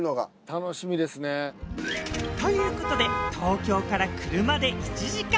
楽しみですね。という事で東京から車で１時間半。